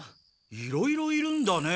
いろいろいるんだね。